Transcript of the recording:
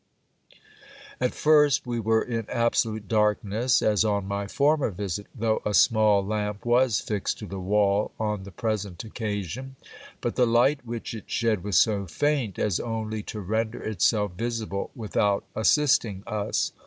At first we were in absolute darkness, as on my former visit, though a small lamp was fixed to the wall on the present occasion. But the light which it shed was so faint, as only to render itself visible without assisting us.